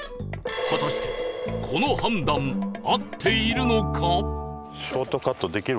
果たしてこの判断合っているのか？